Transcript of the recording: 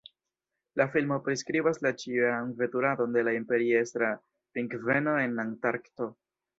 La filmo priskribas la ĉiujaran veturadon de la Imperiestra pingveno en Antarkto.